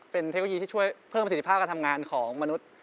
เป็นเทคโนโลยีที่ช่วยเพิ่มประสิทธิภาพการทำงานของมนุษย์